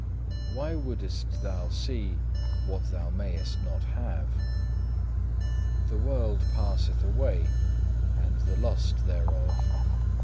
7. Why wouldest thou see what thou mayest not have? The world passeth away and the lust thereof.